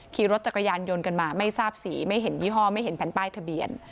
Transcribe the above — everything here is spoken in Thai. ขี่รถจักรยานยนต์กันมาไม่ทราบสีไม่เห็นยี่ห้อไม่เห็นแผ่นป้ายทะเบียน